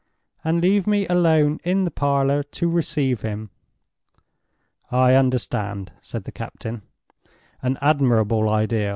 "And leave me alone in the parlor to receive him." "I understand," said the captain. "An admirable idea.